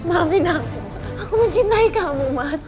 maafin aku aku mencintai kamu mas